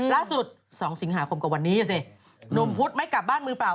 ล่าสุด๒สิงหาคมกว่าวันนี้นมพุธไม่กลับบ้านมือเปล่า